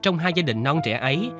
trong hai gia đình non trẻ ấy